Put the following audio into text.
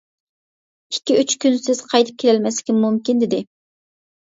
ئىككى-ئۈچ كۈنسىز قايتىپ كېلەلمەسلىكىم مۇمكىن، -دېدى.